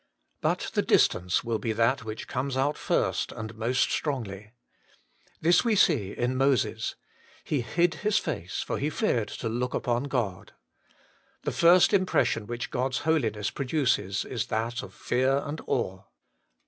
3. But the distance will be that which comes out first and most strongly. This we see in Moses : he hid his face, for He feared to look upon God. The first impression which God's Holiness produces is that of fear and awe.